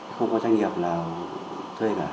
không có doanh nghiệp nào thuê cả